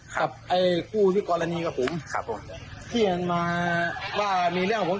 กับคู่ที่กรณีกับผมพี่เห็นมาว่ามีเรื่องของผม